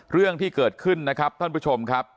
เรื่องที่เกิดขึ้นนะครับท่านผู้ชมครับ